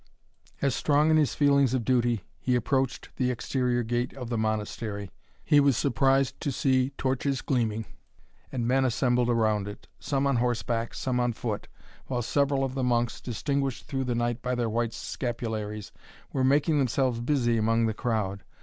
As, strong in his feelings of duty, he approached the exterior gate of the Monastery, he was surprised to see torches gleaming, and men assembled around it, some on horseback, some on foot, while several of the monks, distinguished through the night by their white scapularies, were making themselves busy among the crowd.